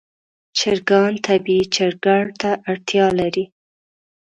چرګان طبیعي چرګړ ته اړتیا لري.